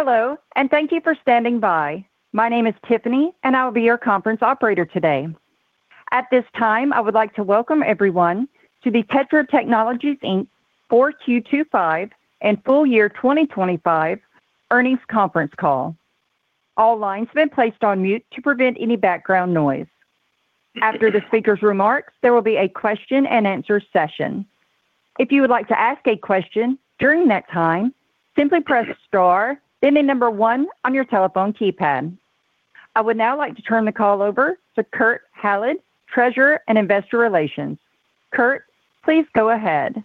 Hello, thank you for standing by. My name is Tiffany, I will be your conference operator today. At this time, I would like to welcome everyone to the TETRA Technologies, Inc. 4Q 2025 and full year 2025 earnings conference call. All lines have been placed on mute to prevent any background noise. After the speaker's remarks, there will be a question-and-answer session. If you would like to ask a question during that time, simply press star, then the number one on your telephone keypad. I would now like to turn the call over to Kurt Hallead, Treasurer and Investor Relations. Kurt, please go ahead.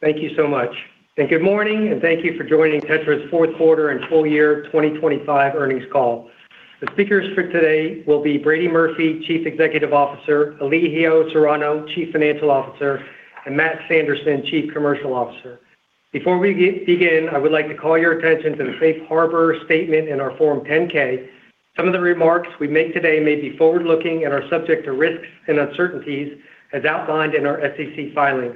Thank you so much. Good morning. Thank you for joining TETRA's Q4 and full year 2025 earnings call. The speakers for today will be Brady Murphy, Chief Executive Officer, Elijio Serrano, Chief Financial Officer, and Matt Sanderson, Chief Commercial Officer. Before we begin, I would like to call your attention to the safe harbor statement in our form 10-K. Some of the remarks we make today may be forward-looking and are subject to risks and uncertainties, as outlined in our SEC filings.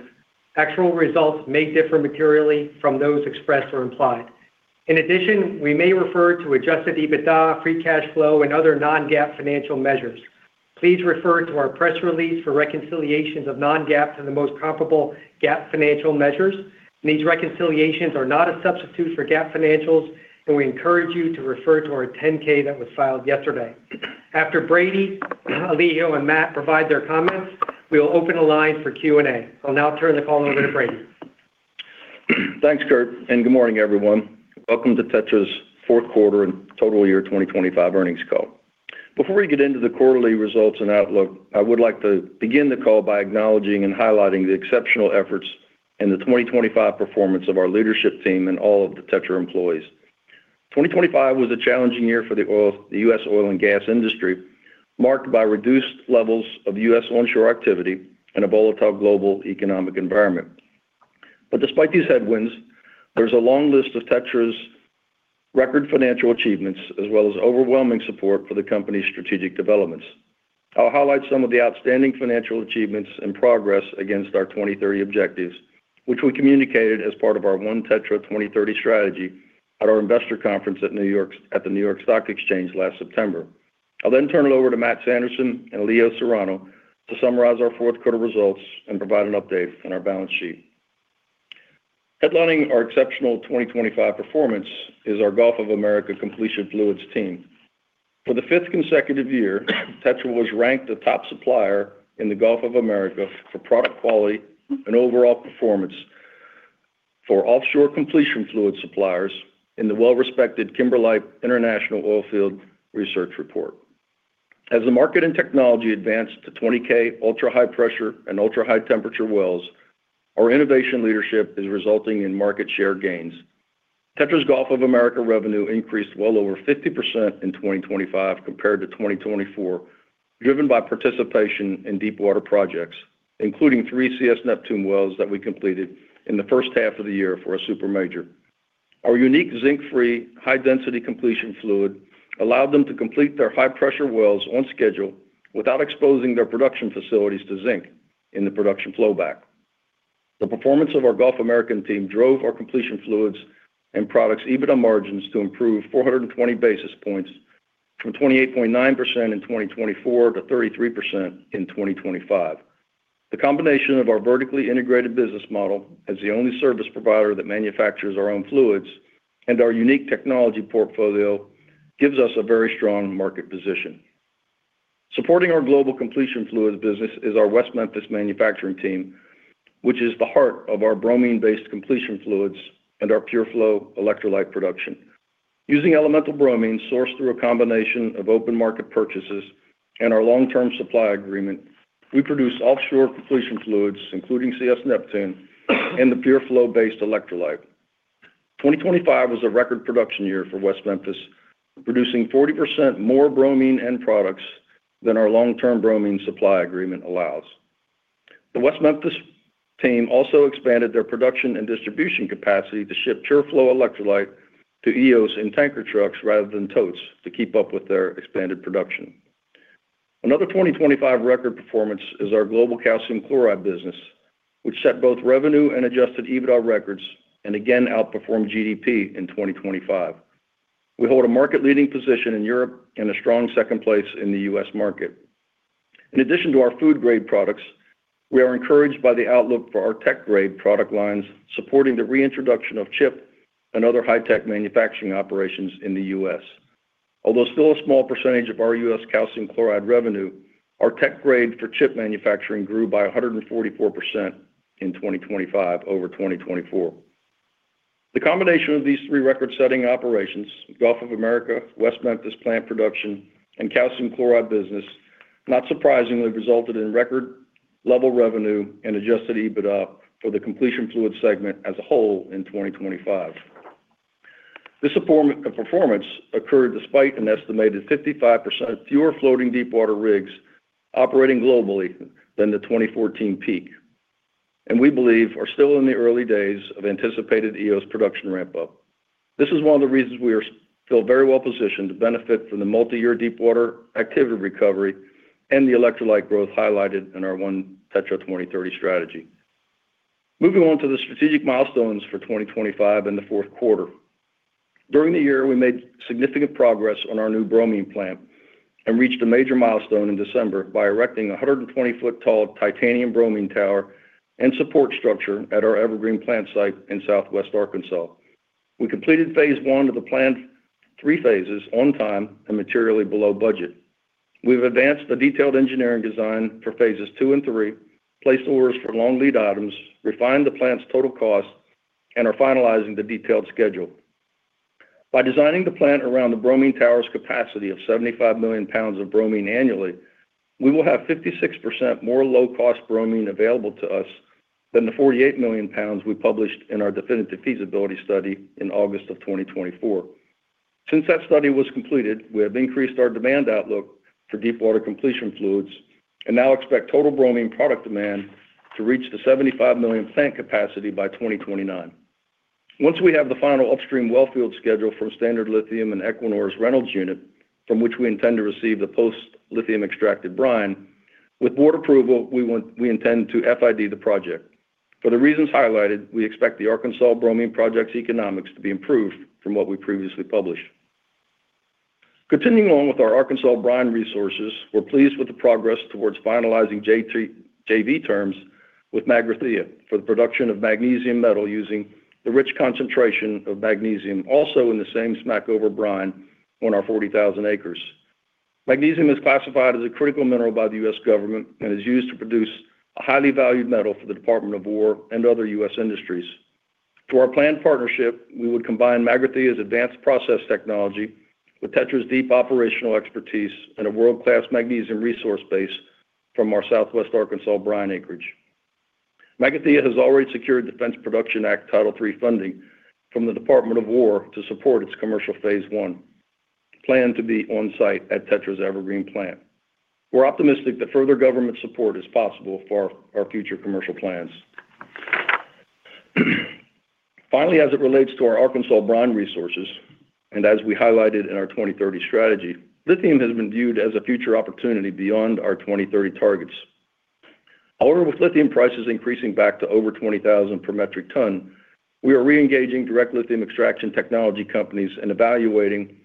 In addition, we may refer to adjusted EBITDA, free cash flow, and other non-GAAP financial measures. Please refer to our press release for reconciliations of non-GAAP to the most comparable GAAP financial measures. These reconciliations are not a substitute for GAAP financials. We encourage you to refer to our 10-K that was filed yesterday. After Brady, Elijio, and Matt provide their comments, we will open a line for Q&A. I'll now turn the call over to Brady. Thanks, Kurt, and good morning, everyone. Welcome to TETRA's Q4 and total year 2025 earnings call. Before we get into the quarterly results and outlook, I would like to begin the call by acknowledging and highlighting the exceptional efforts and the 2025 performance of our leadership team and all of the TETRA employees. 2025 was a challenging year for the U.S. oil and gas industry, marked by reduced levels of U.S. onshore activity and a volatile global economic environment. Despite these headwinds, there's a long list of TETRA's record financial achievements, as well as overwhelming support for the company's strategic developments. I'll highlight some of the outstanding financial achievements and progress against our 2030 objectives, which we communicated as part of our ONE TETRA 2030 strategy at our investor conference at the New York Stock Exchange last September. I'll turn it over to Matt Sanderson and Elijio Serrano to summarize our Q4 results and provide an update on our balance sheet. Headlining our exceptional 2025 performance is our Gulf of America Completion Fluids team. For the fifth consecutive year, TETRA was ranked the top supplier in the Gulf of America for product quality and overall performance for offshore completion fluid suppliers in the well-respected Kimberlite International Oilfield Research Report. As the market and technology advanced to 20K ultra-high-pressure and ultra-high-temperature wells, our innovation leadership is resulting in market share gains. TETRA's Gulf of America revenue increased well over 50% in 2025 compared to 2024, driven by participation in deepwater projects, including 3 CS Neptune wells that we completed in the first half of the year for a super major. Our unique zinc-free, high-density completion fluid allowed them to complete their high-pressure wells on schedule without exposing their production facilities to zinc in the production flow back. The performance of our Gulf American team drove our completion fluids and products EBITDA margins to improve 420 basis points from 28.9% in 2024 to 33% in 2025. The combination of our vertically integrated business model as the only service provider that manufactures our own fluids and our unique technology portfolio gives us a very strong market position. Supporting our global completion fluids business is our West Memphis manufacturing team, which is the heart of our bromine-based completion fluids and our PureFlow electrolyte production. Using elemental bromine sourced through a combination of open market purchases and our long-term supply agreement, we produce offshore completion fluids, including CS Neptune, and the PureFlow-based electrolyte. 2025 was a record production year for West Memphis, producing 40% more bromine end products than our long-term bromine supply agreement allows. The West Memphis team also expanded their production and distribution capacity to ship PureFlow electrolyte to Eos in tanker trucks rather than totes to keep up with their expanded production. Another 2025 record performance is our global calcium chloride business, which set both revenue and adjusted EBITDA records and again outperformed GDP in 2025. We hold a market-leading position in Europe and a strong second place in the U.S. market. In addition to our food-grade products, we are encouraged by the outlook for our tech-grade product lines, supporting the reintroduction of chip and other high-tech manufacturing operations in the U.S. Although still a small percentage of our U.S. calcium chloride revenue, our tech grade for chip manufacturing grew by 144% in 2025 over 2024. The combination of these three record-setting operations, Gulf of America, West Memphis plant production, and calcium chloride business, not surprisingly, resulted in record level revenue and adjusted EBITDA for the completion fluid segment as a whole in 2025. This performance occurred despite an estimated 55% fewer floating deepwater rigs operating globally than the 2014 peak, and we believe are still in the early days of anticipated Eos production ramp-up. This is one of the reasons we are still very well positioned to benefit from the multi-year deepwater activity recovery and the electrolyte growth highlighted in our ONE TETRA 2030 strategy. Moving on to the strategic milestones for 2025 in Q4. During the year, we made significant progress on our new bromine plant and reached a major milestone in December by erecting a 120 foot tall titanium bromine tower and support structure at our Evergreen plant site in Southwest Arkansas. We completed phase 1 of the planned 3 phases on time and materially below budget. We've advanced the detailed engineering design for phases 2 and 3, placed orders for long lead items, refined the plant's total cost, and are finalizing the detailed schedule. By designing the plant around the bromine tower's capacity of 75 million pounds of bromine annually, we will have 56% more low-cost bromine available to us than the 48 million pounds we published in our definitive feasibility study in August of 2024. Since that study was completed, we have increased our demand outlook for deep water completion fluids and now expect total bromine product demand to reach the 75 million plant capacity by 2029. Once we have the final upstream well field schedule from Standard Lithium and Equinor's Reynolds unit, from which we intend to receive the post-lithium extracted brine, with board approval, we intend to FID the project. For the reasons highlighted, we expect the Arkansas bromine project's economics to be improved from what we previously published. Continuing on with our Arkansas brine resources, we're pleased with the progress towards finalizing JV terms with Magrathea for the production of magnesium metal, using the rich concentration of magnesium, also in the same Smackover brine on our 40,000 acres. Magnesium is classified as a critical mineral by the U.S. government and is used to produce a highly valued metal for the Department of War and other U.S. industries. For our planned partnership, we would combine Magrathea's advanced process technology with TETRA's deep operational expertise and a world-class magnesium resource base from our Southwest Arkansas brine acreage. Magrathea has already secured Defense Production Act Title III funding from the Department of War to support its commercial Phase One, planned to be on-site at TETRA's Evergreen plant. We're optimistic that further government support is possible for our future commercial plans. Finally, as it relates to our Arkansas brine resources, and as we highlighted in our 2030 strategy, lithium has been viewed as a future opportunity beyond our 2030 targets. With lithium prices increasing back to over $20,000 per metric ton, we are reengaging direct lithium extraction technology companies and evaluating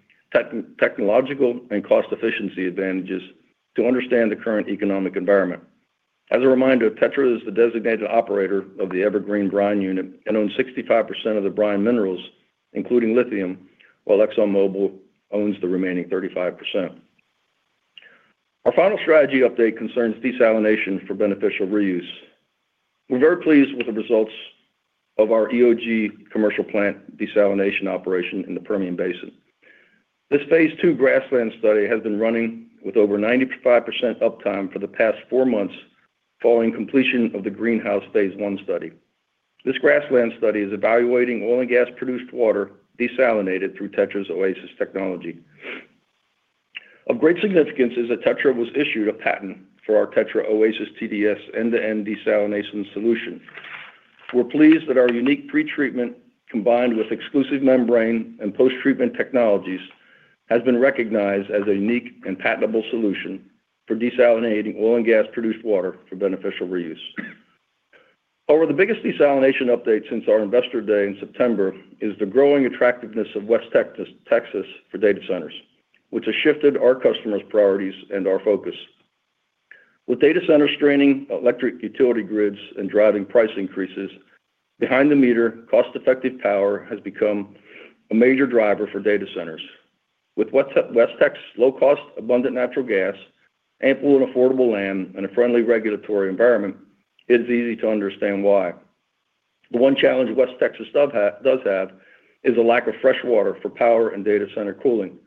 technological and cost efficiency advantages to understand the current economic environment. As a reminder, TETRA is the designated operator of the Evergreen brine unit and owns 65% of the brine minerals, including lithium, while ExxonMobil owns the remaining 35%. Our final strategy update concerns desalination for beneficial reuse. We're very pleased with the results of our EOG commercial plant desalination operation in the Permian Basin. This phase two grassland study has been running with over 95% uptime for the past four months following completion of the Greenhouse Phase One study. This grassland study is evaluating oil and gas-produced water desalinated through TETRA's OASIS technology. Of great significance is that TETRA was issued a patent for our TETRA Oasis TDS end-to-end desalination solution. We're pleased that our unique pretreatment, combined with exclusive membrane and post-treatment technologies, has been recognized as a unique and patentable solution for desalinating oil and gas-produced water for beneficial reuse. The biggest desalination update since our Investor Day in September is the growing attractiveness of West Texas for data centers, which has shifted our customers' priorities and our focus. With data centers straining electric utility grids and driving price increases, behind the meter, cost-effective power has become a major driver for data centers. With West Texas' low-cost, abundant natural gas, ample and affordable land, and a friendly regulatory environment, it's easy to understand why. The one challenge West Texas does have is a lack of fresh water for power and data center cooling.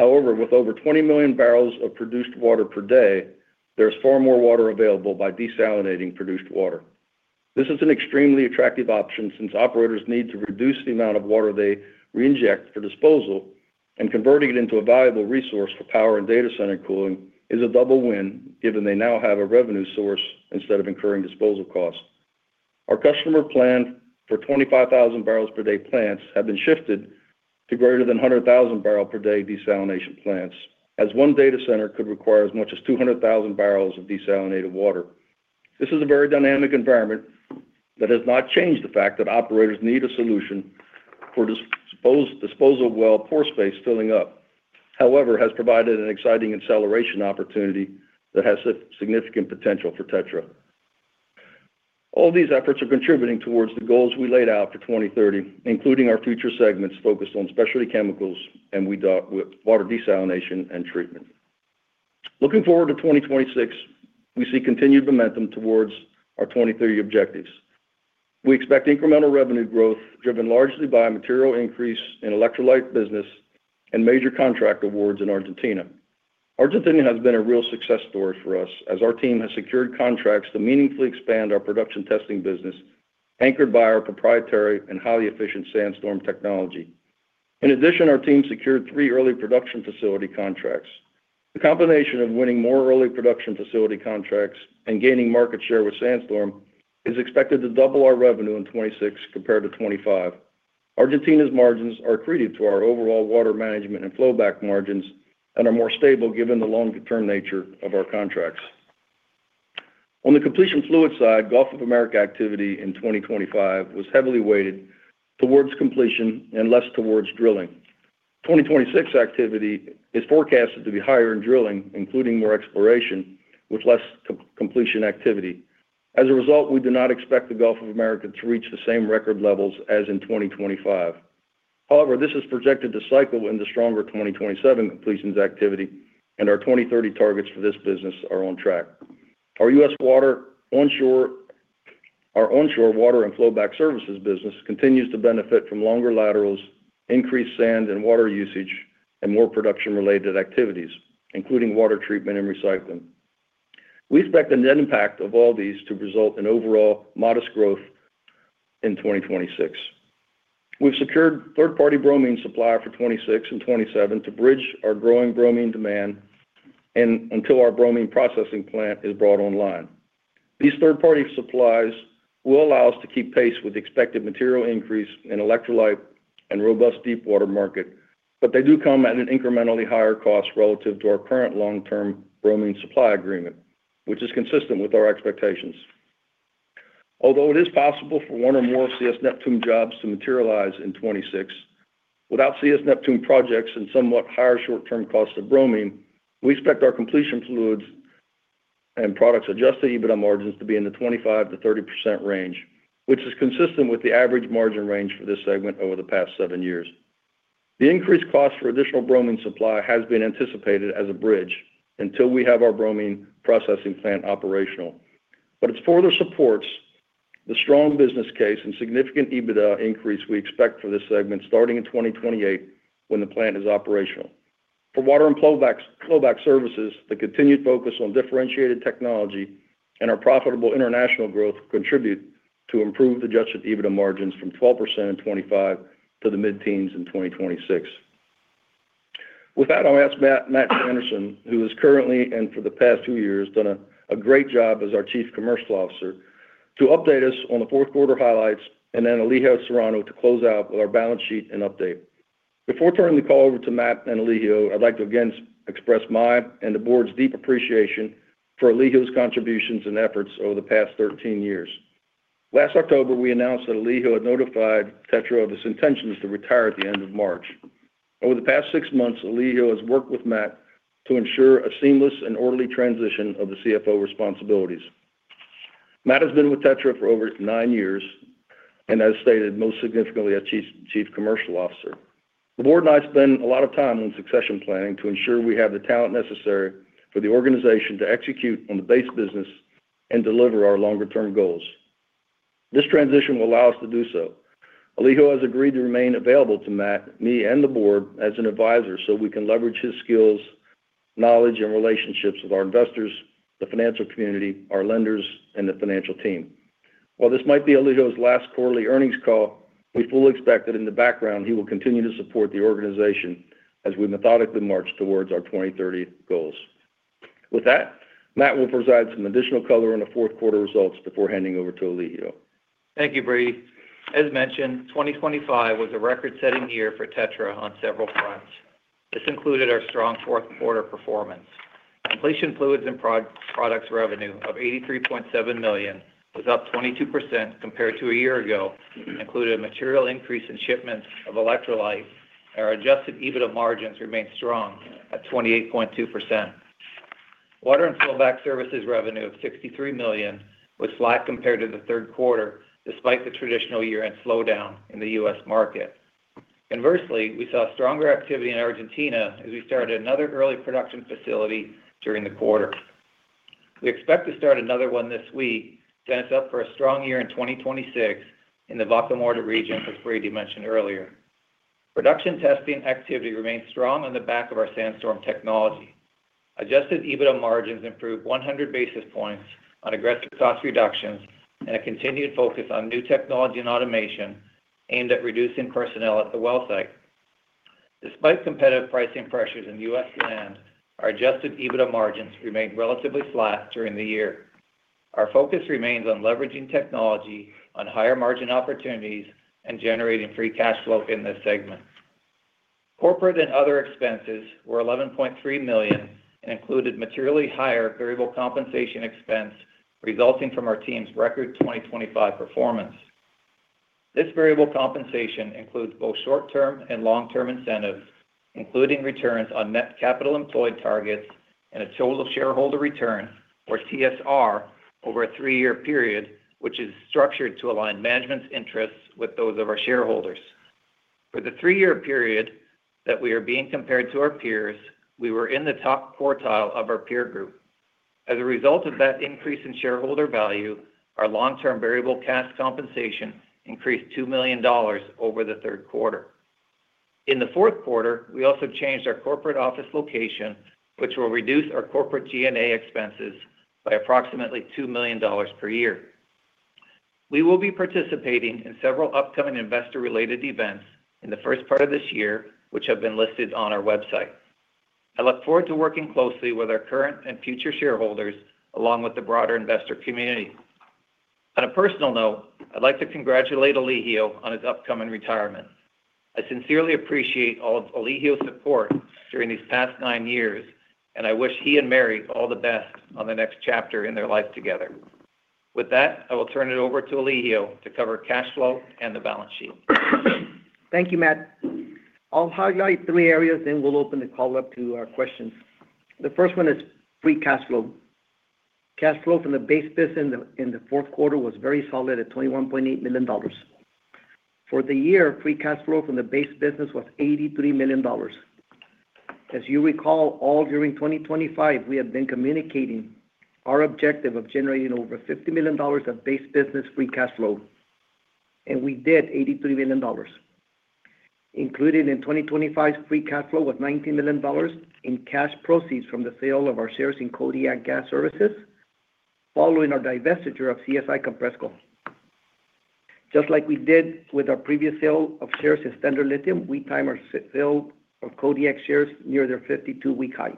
With over 20 million barrels of produced water per day, there's far more water available by desalinating produced water. This is an extremely attractive option since operators need to reduce the amount of water they reinject for disposal, and converting it into a viable resource for power and data center cooling is a double win, given they now have a revenue source instead of incurring disposal costs. Our customer plan for 25,000 barrels per day plants have been shifted to greater than 100,000 barrel per day desalination plants, as one data center could require as much as 200,000 barrels of desalinated water. This is a very dynamic environment that has not changed the fact that operators need a solution for disposal well pore space filling up. Has provided an exciting acceleration opportunity that has significant potential for TETRA. All these efforts are contributing towards the goals we laid out for 2030, including our future segments focused on specialty chemicals and with water desalination and treatment. Looking forward to 2026, we see continued momentum towards our 2030 objectives. We expect incremental revenue growth driven largely by a material increase in electrolyte business and major contract awards in Argentina. Argentina has been a real success story for us as our team has secured contracts to meaningfully expand our production testing business, anchored by our proprietary and highly efficient SandStorm technology. In addition, our team secured three early production facility contracts. The combination of winning more early production facility contracts and gaining market share with SandStorm is expected to double our revenue in 2026 compared to 2025. Argentina's margins are accretive to our overall water management and flowback margins, and are more stable given the long-term nature of our contracts. On the completion fluid side, Gulf of America activity in 2025 was heavily weighted towards completion and less towards drilling. 2026 activity is forecasted to be higher in drilling, including more exploration, with less completion activity. As a result we do not expect the Gulf of America to reach the same record levels as in 2025. This is projected to cycle into stronger 2027 completions activity, and our 2030 targets for this business are on track. Our onshore water and flowback services business continues to benefit from longer laterals, increased sand and water usage, and more production-related activities, including water treatment and recycling. We expect the net impact of all these to result in overall modest growth in 2026. We've secured third-party bromine supply for 2026 and 2027 to bridge our growing bromine demand and until our bromine processing plant is brought online. These third-party supplies will allow us to keep pace with expected material increase in electrolyte and robust deepwater market, but they do come at an incrementally higher cost relative to our current long-term bromine supply agreement, which is consistent with our expectations. Although it is possible for one or more CS Neptune jobs to materialize in 2026, without CS Neptune projects and somewhat higher short-term cost of bromine, we expect our completion fluids and products adjusted EBITDA margins to be in the 25%-30% range, which is consistent with the average margin range for this segment over the past 7 years. The increased cost for additional bromine supply has been anticipated as a bridge until we have our bromine processing plant operational. It further supports the strong business case and significant EBITDA increase we expect for this segment starting in 2028, when the plant is operational. For water and flowbacks, flowback services, the continued focus on differentiated technology and our profitable international growth contribute to improved adjusted EBITDA margins from 12% in 2025 to the mid-teens in 2026. With that, I'll ask Matt Sanderson, who is currently, and for the past 2 years, done a great job as our Chief Commercial Officer, to update us on Q4 highlights, and then Elijio Serrano to close out with our balance sheet and update. Before turning the call over to Matt and Elijio, I'd like to again express my and the board's deep appreciation for Elijio's contributions and efforts over the past 13 years. Last October, we announced that Elijio had notified TETRA of his intentions to retire at the end of March. Over the past 6 months, Elijio has worked with Matt to ensure a seamless and orderly transition of the CFO responsibilities. Matt has been with TETRA for over 9 years, and as stated, most significantly as Chief Commercial Officer. The board and I spend a lot of time on succession planning to ensure we have the talent necessary for the organization to execute on the base business and deliver our longer-term goals. This transition will allow us to do so. Elijio has agreed to remain available to Matt, me, and the board as an advisor, so we can leverage his skills, knowledge, and relationships with our investors, the financial community, our lenders, and the financial team. While this might be Elijio's last quarterly earnings call, we fully expect that in the background, he will continue to support the organization as we methodically march towards our 2030 goals. With that, Matt will provide some additional color on Q4 results before handing over to Elijio. Thank you, Brady. As mentioned, 2025 was a record-setting year for TETRA on several fronts. This included our strong Q4 performance. Completion fluids and products revenue of $83.7 million was up 22% compared to a year ago, including a material increase in shipments of electrolyte. Our adjusted EBITDA margins remained strong at 28.2%. Water and flowback services revenue of $63 million was flat compared to Q3, despite the traditional year-end slowdown in the U.S. market. Inversely, we saw stronger activity in Argentina as we started another early production facility during the quarter. We expect to start another one this week, set us up for a strong year in 2026 in the Vaca Muerta region, as Brady mentioned earlier. Production testing activity remained strong on the back of our Sandstorm technology. Adjusted EBITDA margins improved 100 basis points on aggressive cost reductions and a continued focus on new technology and automation aimed at reducing personnel at the well site. Despite competitive pricing pressures in U.S. land, our adjusted EBITDA margins remained relatively flat during the year. Our focus remains on leveraging technology on higher margin opportunities and generating free cash flow in this segment. Corporate and other expenses were $11.3 million and included materially higher variable compensation expense, resulting from our team's record 2025 performance. This variable compensation includes both short-term and long-term incentives, including returns on net capital employed targets and a total shareholder return, or TSR, over a three-year period, which is structured to align management's interests with those of our shareholders. For the three-year period that we are being compared to our peers, we were in the top quartile of our peer group. As a result of that increase in shareholder value, our long-term variable cash compensation increased $2 million over Q3. In Q4, we also changed our corporate office location, which will reduce our corporate G&A expenses by approximately $2 million per year. We will be participating in several upcoming investor-related events in the first part of this year, which have been listed on our website. I look forward to working closely with our current and future shareholders, along with the broader investor community. On a personal note, I'd like to congratulate Elijio on his upcoming retirement. I sincerely appreciate all of Elijio's support during these past 9 years, and I wish he and Mary all the best on the next chapter in their life together. With that, I will turn it over to Elijio to cover cash flow and the balance sheet. Thank you, Matt. I'll highlight three areas, then we'll open the call up to our questions. The first one is free cash flow. Cash flow from the base business in Q4 was very solid at $21.8 million. For the year, free cash flow from the base business was $83 million. As you recall, all during 2025, we have been communicating our objective of generating over $50 million of base business free cash flow, and we did $83 million. Included in 2025's free cash flow was $19 million in cash proceeds from the sale of our shares in Kodiak Gas Services, following our divestiture of CSI Compressco. Just like we did with our previous sale of shares in Standard Lithium, we timed our sale of Kodiak shares near their 52-week high.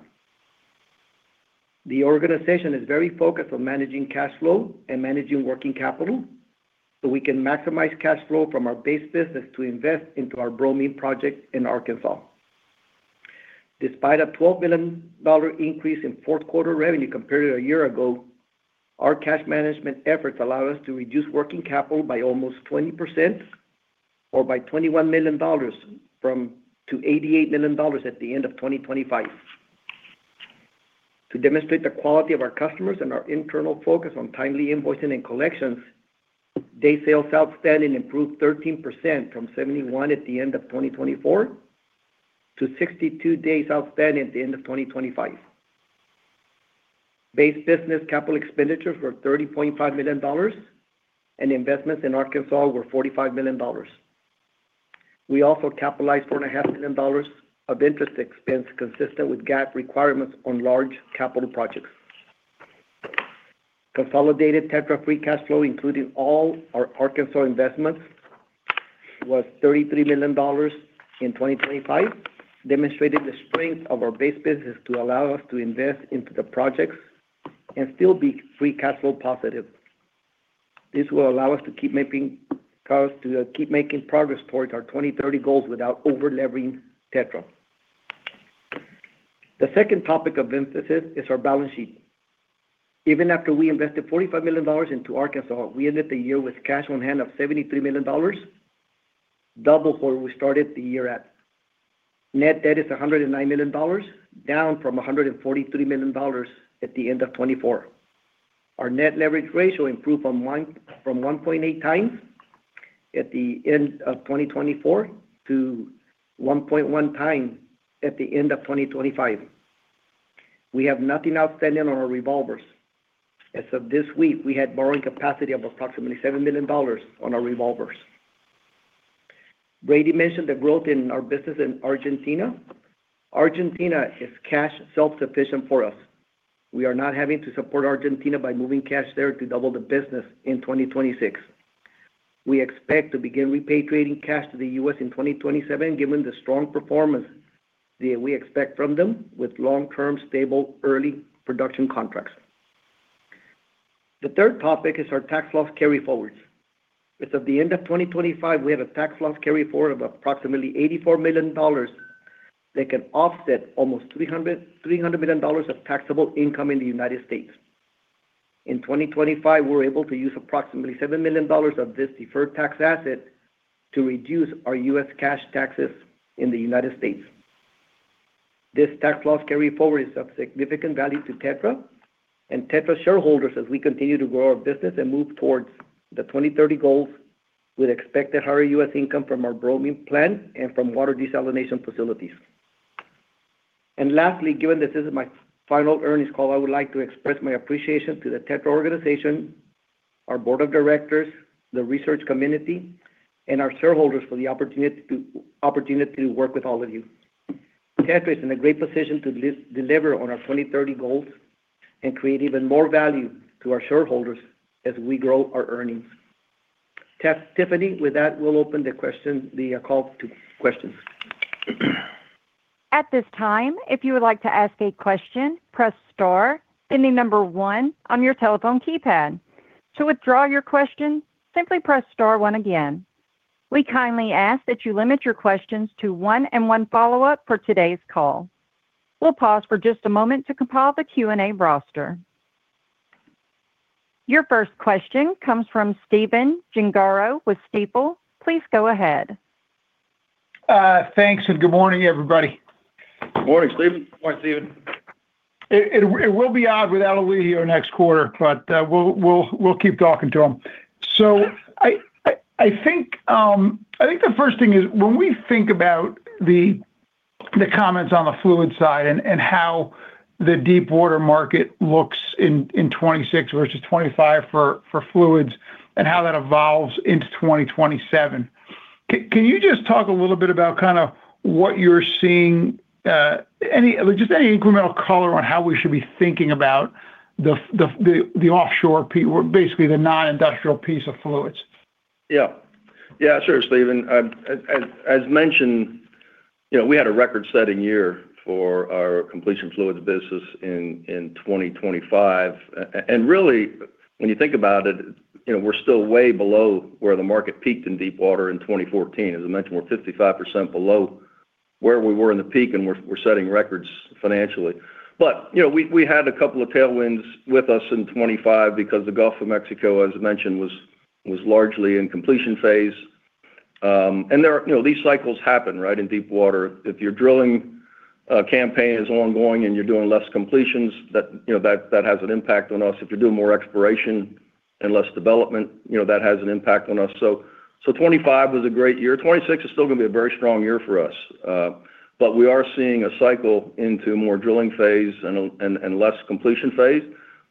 The organization is very focused on managing cash flow and managing working capital, so we can maximize cash flow from our base business to invest into our bromine project in Arkansas. Despite a $12 million increase in Q4 revenue compared to a year ago, our cash management efforts allowed us to reduce working capital by almost 20% or by $21 million to $88 million at the end of 2025. To demonstrate the quality of our customers and our internal focus on timely invoicing and collections, day sales outstanding improved 13% from 71 at the end of 2024 to 62 days outstanding at the end of 2025. Base business capital expenditures were $30.5 million, and investments in Arkansas were $45 million. We also capitalized four and a half million dollars of interest expense, consistent with GAAP requirements on large capital projects. Consolidated TETRA free cash flow, including all our Arkansas investments, was $33 million in 2025, demonstrating the strength of our base business to allow us to invest into the projects and still be free cash flow positive. This will allow us to keep making progress towards our 2030 goals without over-leveraging TETRA. The second topic of emphasis is our balance sheet. Even after we invested $45 million into Arkansas, we ended the year with cash on hand of $73 million, double where we started the year at. Net debt is $109 million, down from $143 million at the end of 2024. Our net leverage ratio improved from 1.8 times at the end of 2024 to 1.1 times at the end of 2025. We have nothing outstanding on our revolvers. As of this week, we had borrowing capacity of approximately $7 million on our revolvers. Brady mentioned the growth in our business in Argentina. Argentina is cash self-sufficient for us. We are not having to support Argentina by moving cash there to double the business in 2026. We expect to begin repatriating cash to the U.S. in 2027, given the strong performance that we expect from them with long-term, stable, early production contracts. The third topic is our tax loss carryforwards. As of the end of 2025, we have a tax loss carryforward of approximately $84 million that can offset almost $300 million of taxable income in the United States. In 2025, we were able to use approximately $7 million of this deferred tax asset to reduce our U.S. cash taxes in the United States. This tax loss carryforward is of significant value to TETRA and TETRA shareholders as we continue to grow our business and move towards the 2030 goals, with expected higher U.S. income from our bromine plant and from water desalination facilities. Lastly, given this is my final earnings call, I would like to express my appreciation to the TETRA organization, our board of directors, the research community, and our shareholders for the opportunity to work with all of you. TETRA is in a great position to deliver on our 2030 goals and create even more value to our shareholders as we grow our earnings. Tiffany, with that, we'll open the call to questions. At this time, if you would like to ask a question, press star, then the number one on your telephone keypad. To withdraw your question, simply press star one again. We kindly ask that you limit your questions to 1 and 1 follow-up for today's call. We'll pause for just a moment to compile the Q&A roster. Your first question comes from Steven Gengro with Stifel. Please go ahead. Thanks, good morning, everybody. Good morning, Stephen. Good morning, Stephen. It will be odd without Alirio next quarter, but we'll keep talking to him. I think the first thing is, when we think about the comments on the fluid side and how the deepwater market looks in 2026 versus 2025 for fluids, and how that evolves into 2027, can you just talk a little bit about kind of what you're seeing, just any incremental color on how we should be thinking about the offshore, well, basically, the non-industrial piece of fluids? Yeah. Yeah, sure, Steven. As mentioned, we had a record-setting year for our completion fluids business in 2025. Really, when you think about it, we're still way below where the market peaked in deepwater in 2014. As I mentioned, we're 55% below where we were in the peak, and we're setting records financially. We had a couple of tailwinds with us in 2025 because the Gulf of Mexico, as I mentioned, was largely in completion phase. These cycles happen, right, in deepwater. If your drilling campaign is ongoing and you're doing less completions, that has an impact on us. If you're doing more exploration and less development, that has an impact on us. 2025 was a great year. 2026 is still going to be a very strong year for us. But we are seeing a cycle into more drilling phase and less completion phase.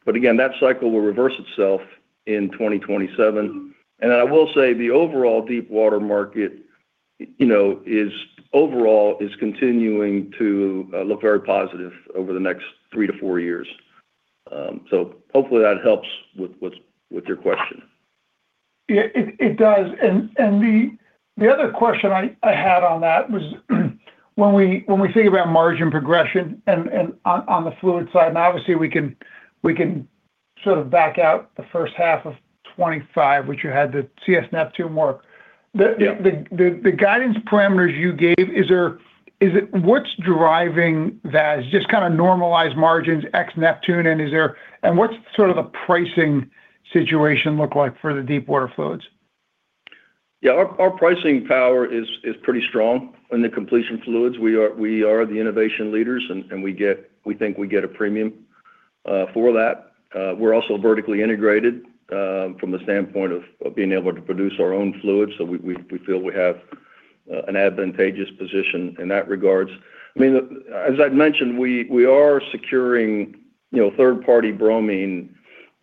Again, that cycle will reverse itself in 2027. I will say the overall deepwater market, is overall continuing to look very positive over the next 3 to 4 years. Hopefully that helps with your question. Yeah, it does. The other question I had on that was, when we think about margin progression and on the fluid side, obviously we can sort of back out the first half of 2025, which you had the TETRA CS Neptune work. Yeah. The guidance parameters you gave, is it what's driving that? Just kind of normalized margins, ex Neptune, and what's sort of the pricing situation look like for the deepwater fluids? Yeah. Our pricing power is pretty strong in the completion fluids. We are the innovation leaders, and we think we get a premium for that. We're also vertically integrated from the standpoint of being able to produce our own fluids. We feel we have an advantageous position in that regards. I mean, as I've mentioned, we are securing, third-party bromine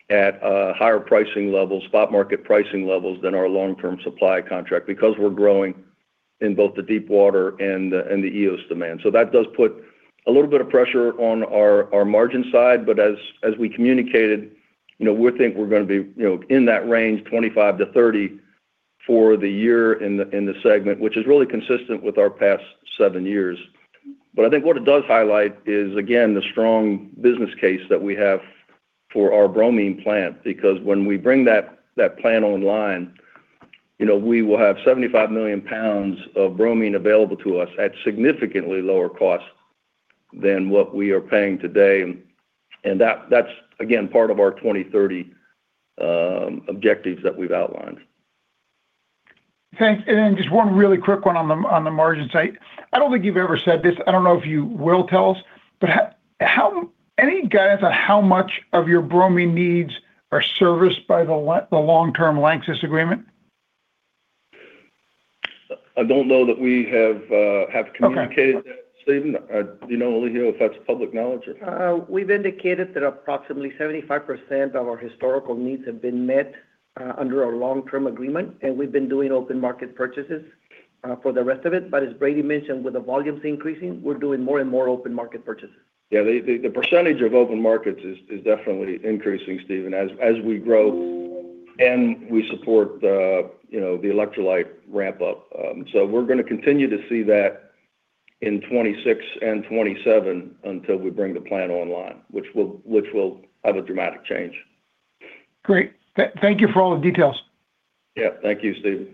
at a higher pricing level, spot market pricing levels than our long-term supply contract because we're growing in both the deepwater and the Eos demand. That does put a little bit of pressure on our margin side, but as we communicated, we think we're going to be, in that range, 25%-30% for the year in the segment, which is really consistent with our past 7 years. I think what it does highlight is, again, the strong business case that we have for our bromine plant, because when we bring that plant online, we will have 75 million pounds of bromine available to us at significantly lower cost than what we are paying today. That's, again, part of our 2030 objectives that we've outlined. Thanks. Just one really quick one on the, on the margin side. I don't think you've ever said this. I don't know if you will tell us, but any guidance on how much of your bromine needs are serviced by the long-term LANXESS agreement? I don't know that we have communicated that. Okay. Stephen. do Elijio, if that's public knowledge? We've indicated that approximately 75% of our historical needs have been met under a long-term agreement, and we've been doing open market purchases for the rest of it. As Brady mentioned, with the volumes increasing, we're doing more and more open market purchases. The percentage of open markets is definitely increasing, Stephen, as we grow and we support the, the electrolyte ramp up. We're going to continue to see that in 2026 and 2027 until we bring the plant online, which will have a dramatic change. Great. Thank you for all the details. Yeah. Thank you, Steven.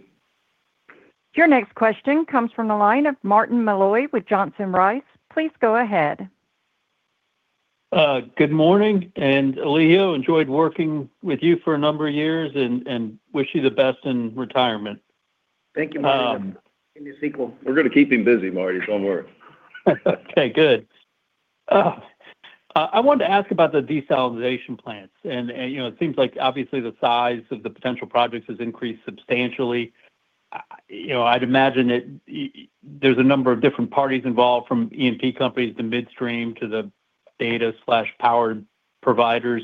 Your next question comes from the line of Marty Malloy with Johnson Rice. Please go ahead. good morning, Elijio Serrano, enjoyed working with you for a number of years and wish you the best in retirement. Thank you, Martin. Um- In your sequel. We're going to keep him busy, Marty. Don't worry. Okay, good. I wanted to ask about the desalination plants, it seems like obviously the size of the potential projects has increased substantially. I'd imagine that there's a number of different parties involved, from E&P companies to midstream to the data/power providers.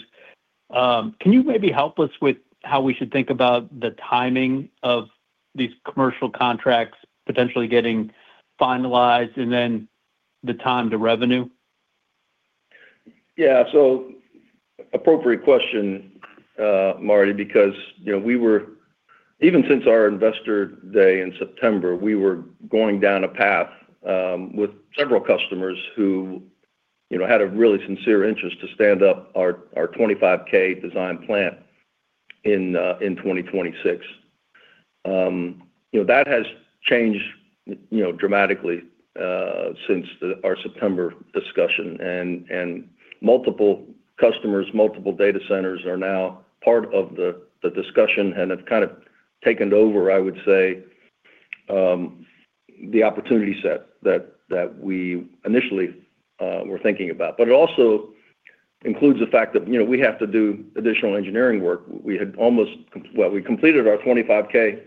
Can you maybe help us with how we should think about the timing of these commercial contracts potentially getting finalized and then the time to revenue? Appropriate question, Marty, because, even since our Investor Day in September, we were going down a path with several customers who, had a really sincere interest to stand up our 25K design plant in 2026. That has changed, dramatically since our September discussion, and multiple customers, multiple data centers are now part of the discussion and have kind of taken over, I would say, the opportunity set that we initially were thinking about. It also includes the fact that, we have to do additional engineering work. Well, we completed our 25 K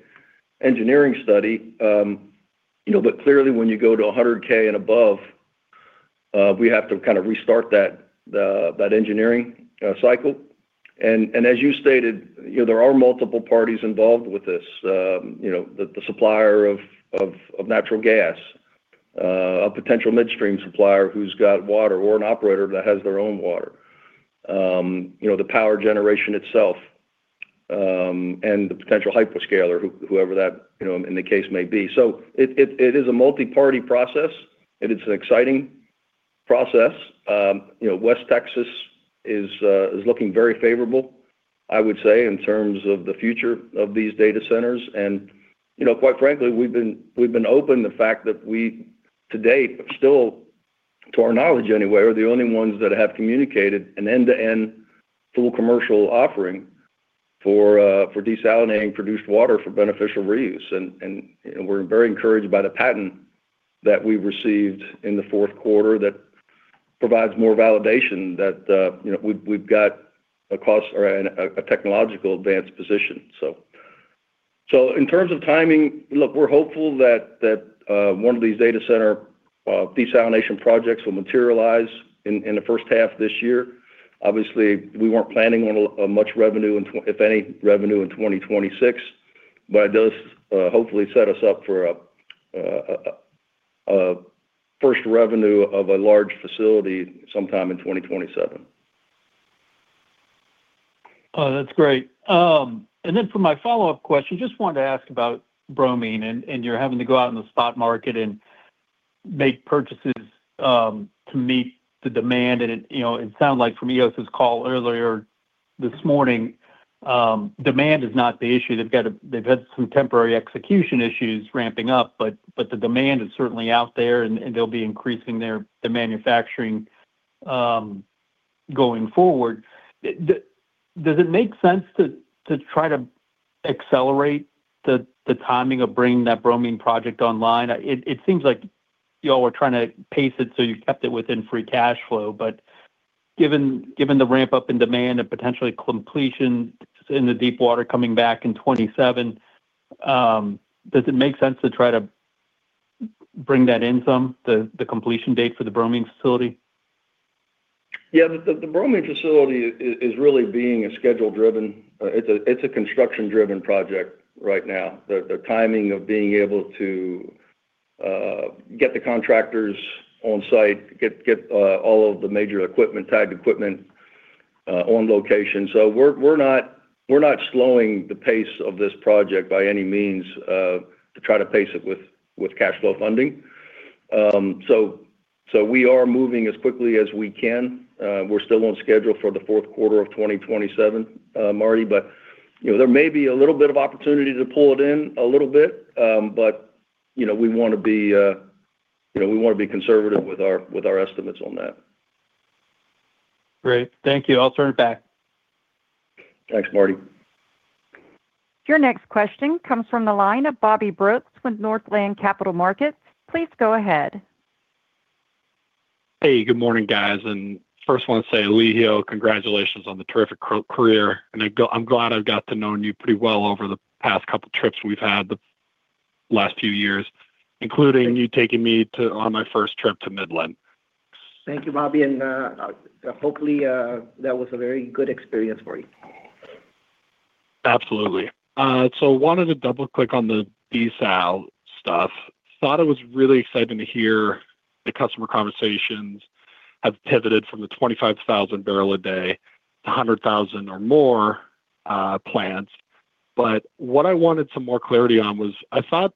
engineering study, but clearly, when you go to 100 K and above, we have to kind of restart that engineering cycle. As you stated, there are multiple parties involved with this, the supplier of natural gas, a potential midstream supplier who's got water or an operator that has their own water. The power generation itself, and the potential hyperscaler, whoever that, in the case may be. It is a multi-party process, and it's an exciting process. West Texas is looking very favorable, I would say, in terms of the future of these data centers. Quite frankly, we've been open the fact that we, to date, but still, to our knowledge anyway, we're the only ones that have communicated an end-to-end full commercial offering for desalinating produced water for beneficial reuse. We're very encouraged by the patent that we received in Q4 that provides more validation that, we've got a cost or a technological advanced position. In terms of timing, look, we're hopeful that one of these data center desalination projects will materialize in the first half of this year. Obviously, we weren't planning on a much revenue in if any, revenue in 2026, it does hopefully set us up for a first revenue of a large facility sometime in 2027. That's great. For my follow-up question, just wanted to ask about bromine and you're having to go out in the spot market and make purchases to meet the demand. It, sounds like from Eos's call earlier this morning, demand is not the issue. They've had some temporary execution issues ramping up, but the demand is certainly out there and they'll be increasing their manufacturing going forward. Does it make sense to try to accelerate the timing of bringing that bromine project online? It seems like y'all were trying to pace it, so you kept it within free cash flow. Given the ramp-up in demand and potentially completion in the deep water coming back in 2027, does it make sense to try to bring that in some, the completion date for the bromine facility? Yeah. The bromine facility is really being a schedule driven project right now. The timing of being able to get the contractors on site, get all of the major equipment, tagged equipment, on location. We're not slowing the pace of this project by any means to try to pace it with cash flow funding. We are moving as quickly as we can. We're still on schedule for Q4 of 2027, Marty, but, there may be a little bit of opportunity to pull it in a little bit, but, we wanna be, we wanna be conservative with our estimates on that. Great. Thank you. I'll turn it back. Thanks, Marty. Your next question comes from the line of Bobby Brooks with Northland Capital Markets. Please go ahead. Hey, good morning, guys, and first want to say, Elijio, congratulations on the terrific career, and I'm glad I've got to know you pretty well over the past couple of trips we've had the last few years, including you taking me to on my first trip to Midland. Thank you, Bobby, and, hopefully, that was a very good experience for you. Absolutely. Wanted to double-click on the desal stuff. Thought it was really exciting to hear the customer conversations have pivoted from the 25,000 barrel a day to 100,000 or more plants. What I wanted some more clarity on was, I thought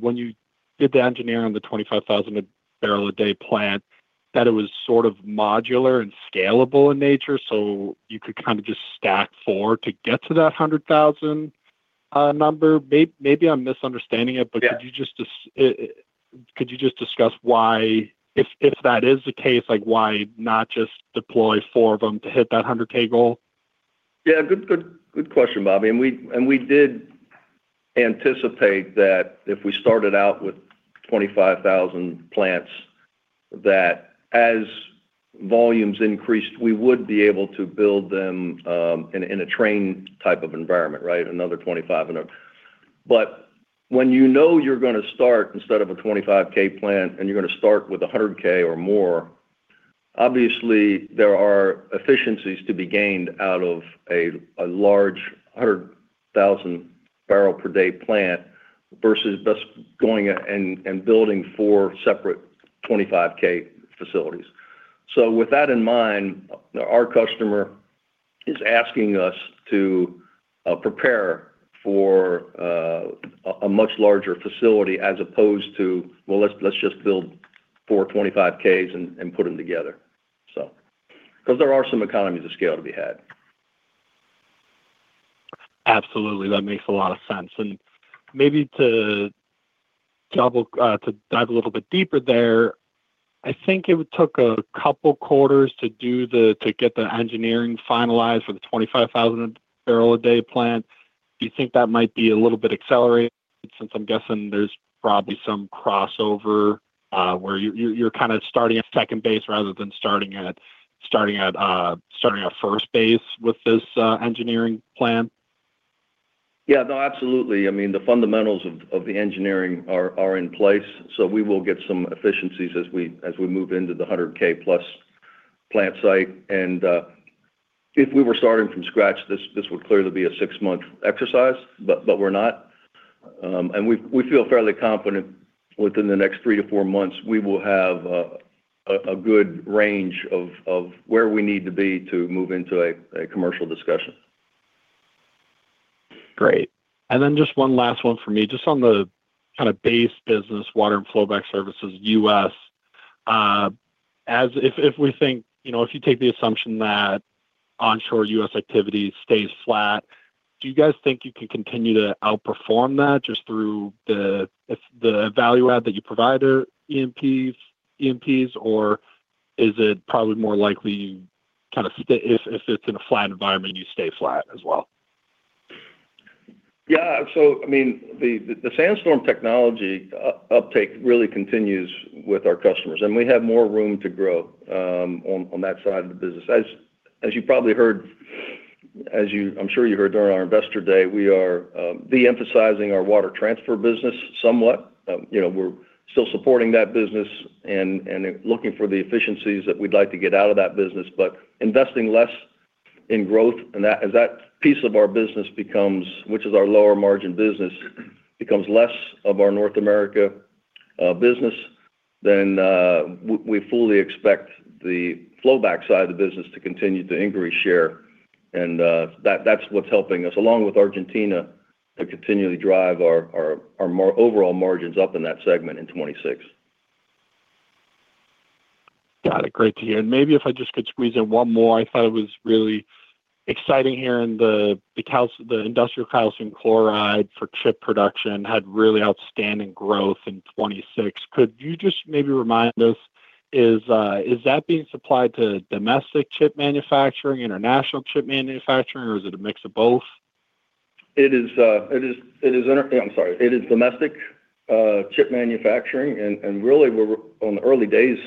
when you did the engineering on the 25,000 barrel a day plant, that it was sort of modular and scalable in nature, so you could kind of just stack forward to get to that 100,000 number. Maybe I'm misunderstanding it. Could you just discuss if that is the case, like, why not just deploy four of them to hit that 100K goal? Yeah, good question, Bobby. We did anticipate that if we started out with 25,000 plants, that as volumes increased, we would be able to build them in a train type of environment, right? Another 25, When you know you're gonna start, instead of a 25K plant, and you're gonna start with a 100K or more, obviously, there are efficiencies to be gained out of a large 100,000 barrel per day plant versus just going and building four separate 25K facilities. With that in mind, our customer is asking us to prepare for a much larger facility, as opposed to, "Well, let's just build four 25Ks and put them together." Because there are some economies of scale to be had. Absolutely. That makes a lot of sense. Maybe to dive a little bit deeper there, I think it took a couple of quarters to get the engineering finalized for the 25,000 barrel a day plant. Do you think that might be a little bit accelerated, since I'm guessing there's probably some crossover, where you're kind of starting at second base rather than starting at first base with this engineering plan? Yeah. No, absolutely. I mean, the fundamentals of the engineering are in place, so we will get some efficiencies as we move into the 100K plus plant site. If we were starting from scratch, this would clearly be a six-month exercise, but we're not. We feel fairly confident within the next three to four months, we will have a good range of where we need to be to move into a commercial discussion. Great. Then just one last one for me. Just on the kind of base business, water and flowback services, U.S., if we think, if you take the assumption that onshore U.S. activity stays flat, do you guys think you can continue to outperform that just through the, if the value add that you provide at E&Ps? Or is it probably more likely you kind of stay, if it's in a flat environment, you stay flat as well? Yeah. I mean, the SandStorm technology uptake really continues with our customers, and we have more room to grow on that side of the business. As I'm sure you heard during our Investor Day, we are de-emphasizing our water transfer business somewhat. We're still supporting that business and looking for the efficiencies that we'd like to get out of that business, but investing less in growth. As that piece of our business becomes, which is our lower margin business, becomes less of our North America business, we fully expect the flowback side of the business to continue to increase share. That's what's helping us, along with Argentina, to continually drive our overall margins up in that segment in 26. Got it. Great to hear. Maybe if I just could squeeze in one more. I thought it was really exciting hearing the industrial calcium chloride for chip production had really outstanding growth in 2026. Could you just maybe remind us, is that being supplied to domestic chip manufacturing, international chip manufacturing, or is it a mix of both? It is domestic chip manufacturing, and really, we're on the early days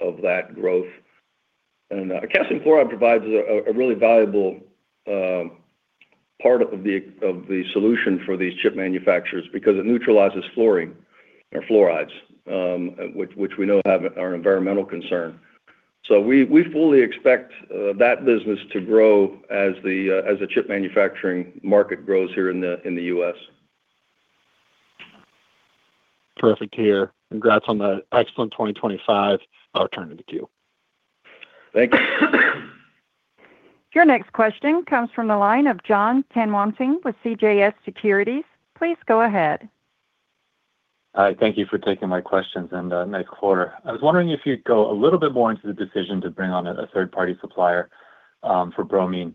of that growth. Calcium chloride provides a really valuable part of the solution for these chip manufacturers because it neutralizes fluorine or fluorides, which we know are an environmental concern. We fully expect that business to grow as the chip manufacturing market grows here in the U.S. Perfect to hear. Congrats on the excellent 2025. I'll return it to you. Thank you. Your next question comes from the line of John Tanwanteng with CJS Securities. Please go ahead. Thank you for taking my questions and next quarter. I was wondering if you'd go a little bit more into the decision to bring on a third-party supplier for bromine.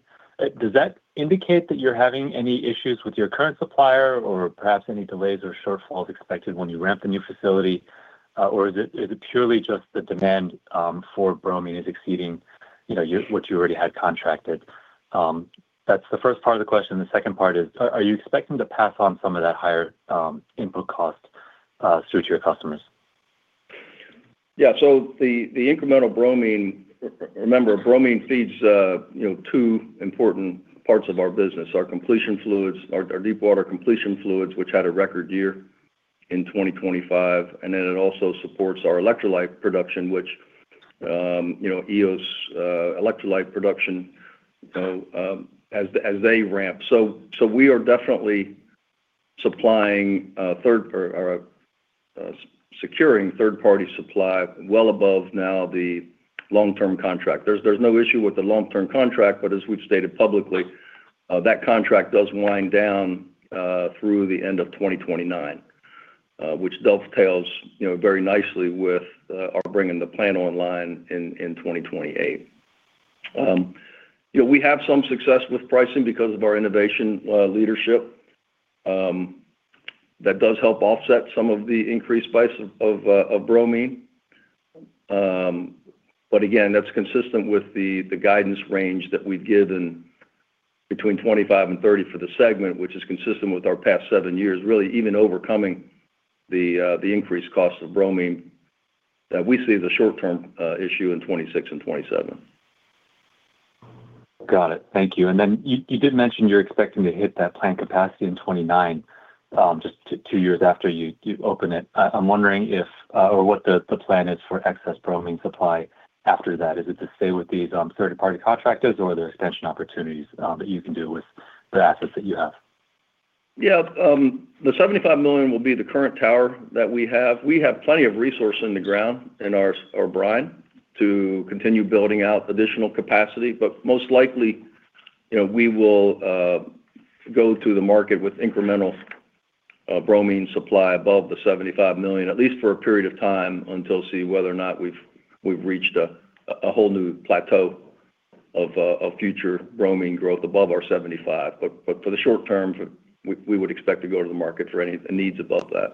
Does that indicate that you're having any issues with your current supplier, or perhaps any delays or shortfalls expected when you ramp the new facility? Or is it purely just the demand for bromine is exceeding, what you already had contracted? That's the first part of the question. The second part is, are you expecting to pass on some of that higher input cost through to your customers? Remember, bromine feeds, two important parts of our business: our completion fluids, our deep water completion fluids, which had a record year in 2025, it also supports our electrolyte production, which, Eos electrolyte production as they ramp. We are definitely supplying or securing third-party supply well above now the long-term contract. There's no issue with the long-term contract, as we've stated publicly, that contract does wind down through the end of 2029, which dovetails, very nicely with our bringing the plant online in 2028. We have some success with pricing because of our innovation leadership. That does help offset some of the increased price of bromine. Again, that's consistent with the guidance range that we'd given between 25% and 30% for the segment, which is consistent with our past 7 years, really even overcoming the increased costs of bromine, that we see the short term issue in 2026 and 2027. Got it. Thank you. Then you did mention you're expecting to hit that plant capacity in 2029, just 2 years after you open it. I'm wondering if or what the plan is for excess bromine supply after that? Is it to stay with these third-party contractors, or are there extension opportunities that you can do with the assets that you have? Yeah, the $75 million will be the current tower that we have. We have plenty of resource in the ground, in our brine, to continue building out additional capacity. Most likely, we will go to the market with incremental bromine supply above the $75 million, at least for a period of time, until see whether or not we've reached a whole new plateau of future bromine growth above our $75 million. For the short term, we would expect to go to the market for any needs above that.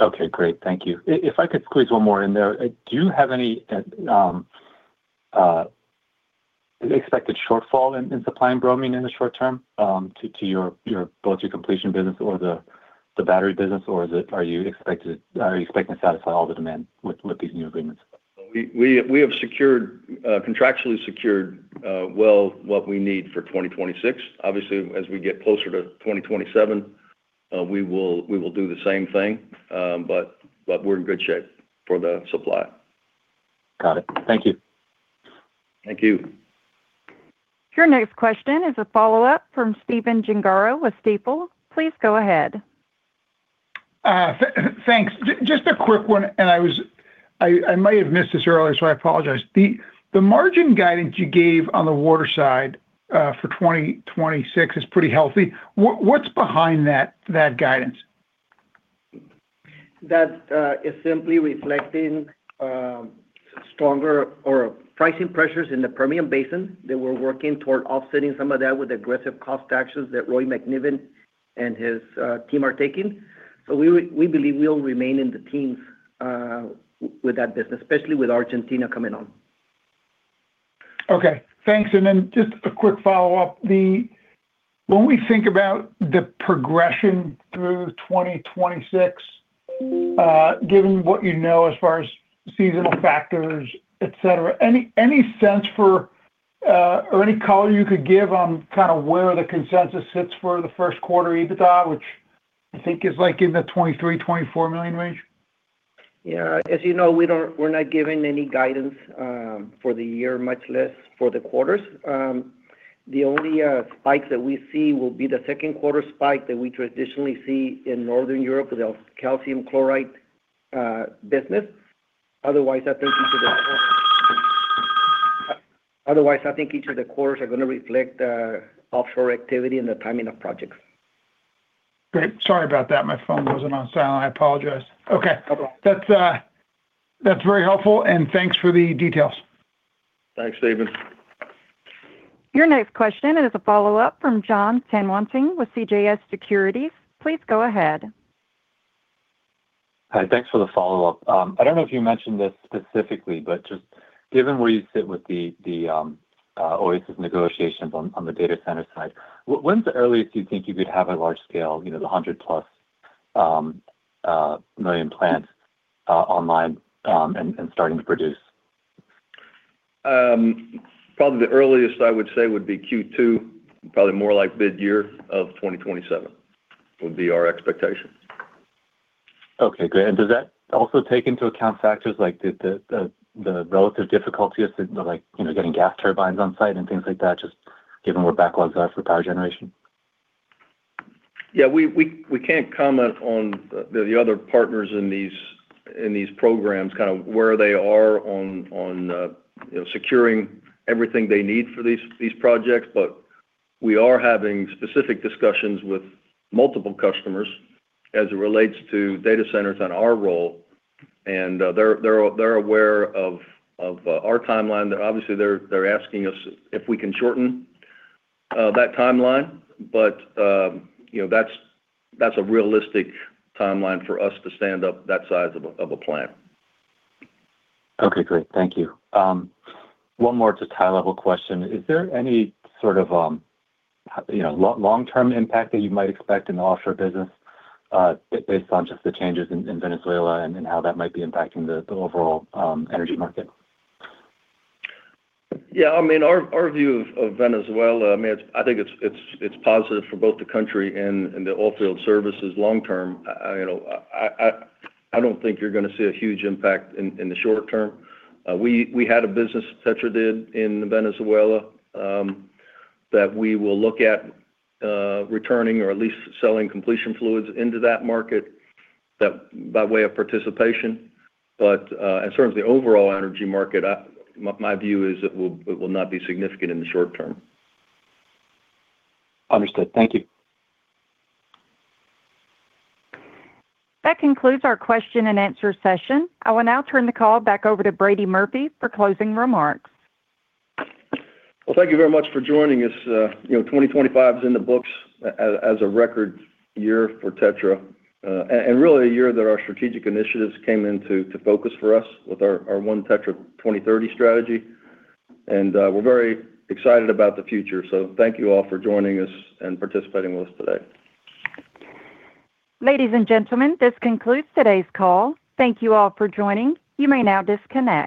Okay, great. Thank you. If I could squeeze one more in there, do you have any expected shortfall in supplying bromine in the short term, to your both your completion business or the battery business? Are you expecting to satisfy all the demand with these new agreements? We have secured, contractually secured, well, what we need for 2026. Obviously, as we get closer to 2027, we will do the same thing. We're in good shape for the supply. Got it. Thank you. Thank you. Your next question is a follow-up from Stephen Gengaro with Stifel. Please go ahead. Thanks. Just a quick one, I might have missed this earlier, so I apologize. The margin guidance you gave on the water side, for 2026 is pretty healthy. What's behind that guidance? That is simply reflecting stronger or pricing pressures in the Permian Basin, that we're working toward offsetting some of that with aggressive cost actions that Roy McNiven and his team are taking. We believe we'll remain in the teens with that business, especially with Argentina coming on. Okay. Thanks. Just a quick follow-up. When we think about the progression through 2026, given what you know as far as seasonal factors, et cetera, any sense for or any color you could give on kind of where the consensus sits for Q1 EBITDA, which I think is like in the $23 million-$24 million range? Yeah, as we're not giving any guidance for the year, much less for the quarters. The only spike that we see will be the second quarter spike that we traditionally see in Northern Europe with the calcium chloride business. Otherwise, I think each of the quarters are going to reflect offshore activity and the timing of projects. Great. Sorry about that. My phone wasn't on silent. I apologize. Okay. No problem. That's very helpful, and thanks for the details. Thanks, Stephen. Your next question is a follow-up from Jonathan Tanwanteng with CJS Securities. Please go ahead. Hi, thanks for the follow-up. I don't know if you mentioned this specifically, but just given where you sit with the Oasis negotiations on the data center side, when's the earliest you think you could have a large scale, the $100+ million plant online and starting to produce? Probably the earliest I would say would be Q2, probably more like mid-year of 2027, would be our expectation. Okay, great. Does that also take into account factors like the relative difficulty of things like, getting gas turbines on site and things like that, just given where backlogs are for power generation? Yeah, we can't comment on the other partners in these programs, kind of where they are on, securing everything they need for these projects. We are having specific discussions with multiple customers as it relates to data centers on our role, and they're aware of our timeline. They're obviously asking us if we can shorten that timeline, but, that's a realistic timeline for us to stand up that size of a plan. Okay, great. Thank you. One more just high-level question. Is there any sort of, long-term impact that you might expect in the offshore business, based on just the changes in Venezuela and how that might be impacting the overall energy market? Yeah, I mean, our view of Venezuela, I mean, I think it's positive for both the country and the oil field services long term. I don't think you're going to see a huge impact in the short term. We had a business, TETRA did, in Venezuela, that we will look at returning or at least selling completion fluids into that market, that by way of participation. In terms of the overall energy market, my view is it will not be significant in the short term. Understood. Thank you. That concludes our question and answer session. I will now turn the call back over to Brady Murphy for closing remarks. Well, thank you very much for joining us. 2025 is in the books as a record year for TETRA, and really a year that our strategic initiatives came into focus for us with our ONE TETRA 2030 strategy, and we're very excited about the future. Thank you all for joining us and participating with us today. Ladies and gentlemen, this concludes today's call. Thank you all for joining. You may now disconnect.